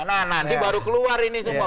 nah nanti baru keluar ini semua